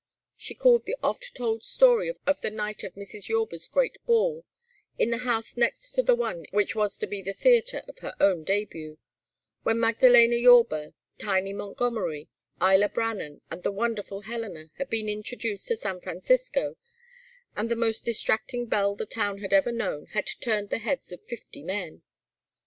She recalled the oft told story of the night of Mrs. Yorba's great ball, in the house next to the one which was to be the theatre of her own début, when Magdaléna Yorba, Tiny Montgomery, Ila Brannan, and the wonderful Helena had been introduced to San Francisco, and the most distracting belle the town had ever known had turned the heads of fifty men.